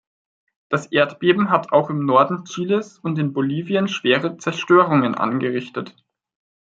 Das Erdbeben hat auch im Norden Chiles und in Bolivien schwere Zerstörungen angerichtet.